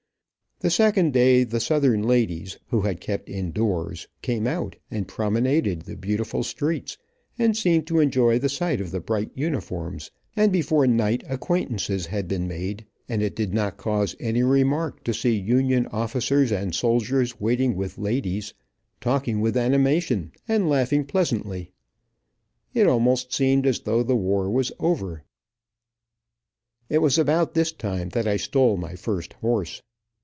The second day the southern ladies, who had kept indoors, came out and promenaded the beautiful streets, and seemed to enjoy the sight of the bright uniforms, and before night acquaintances had been made, and it did not cause any remark to see Union officers and soldiers waiting with ladies, talking with animation, and laughing pleasantly. It almost seemed, as though the war was over. It was about this time that I stole my first horse.